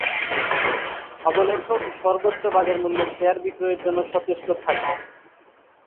অবলেখক সর্বোচ্চ বাজারমূল্যে শেয়ার বিক্রয়ের জন্য সচেষ্ট থাকে।